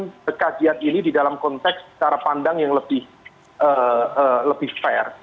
ini kekajian ini di dalam konteks secara pandang yang lebih fair